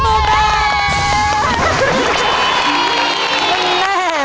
๑มือ